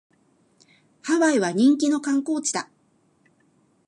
ハワイは人気の観光地だ